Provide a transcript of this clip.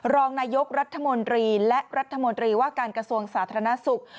รองนายกรัฐมนตรีและรัฐมนตรีว่าการกระทรวงสาธารณสุข